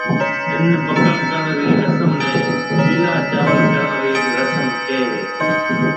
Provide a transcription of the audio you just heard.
ڏِن پڪا ڪرڻ رِي رسم نيَ پيݪا چاول ڪرن رِي رسم ڪھيََََ ھيََََ